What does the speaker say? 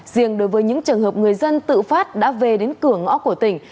riêng đối với những trường hợp người dân tự phát đã về đến cửa ngõ của tỉnh